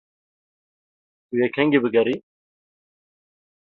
Tu yê kengî bigerî?